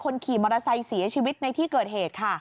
คนขี่มอเตอร์ไซค์สีให้ชีวิตในที่เกิดเหตุ